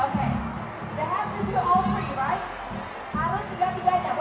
เป็นประโยชน์